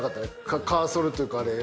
カーソルというかあれ。